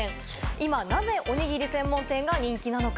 今、なぜ、おにぎり専門店が人気なのか？